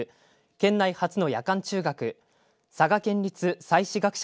県内初の夜間中学佐賀県立彩志学舎